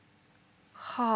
はあ。